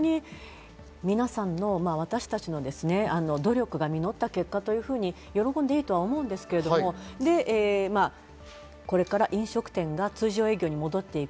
これは本当にみなさんの、私たちの努力が実った結果というふうに喜んでいいと思うんですけど、これから飲食店が通常営業に戻っていく。